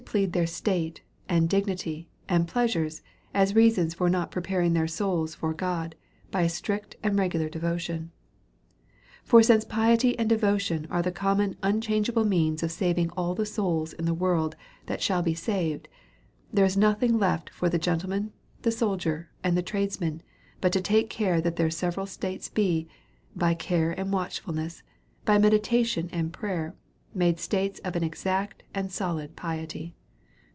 S71 plead their state, and dignity, and pleasures, as rea sons lor not preparing their souls for God, by a strict and reg'ular devotion. For since piety and devotion are the common un changeable means of saving all the souls in the world that shall be saved, there is nothing left for the gen tleman, the soldier, and the tradesman, but to take care that their several states be, by care and watch fulness, by meditation and prayer, madd states of an exact and solid piety.